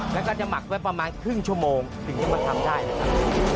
แล้วก็จะหมักไว้ประมาณครึ่งชั่วโมงถึงจะมาทำได้นะครับ